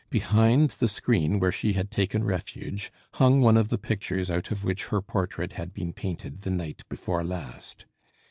Behind the screen where she had taken refuge, hung one of the pictures out of which her portrait had been painted the night before last.